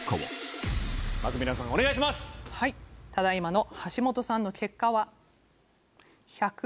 ただ今の橋本さんの結果は。